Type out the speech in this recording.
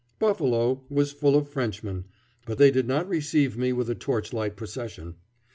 Buffalo was full of Frenchmen, but they did not receive me with a torchlight procession.